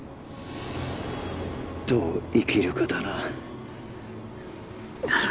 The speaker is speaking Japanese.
どう生きるかだな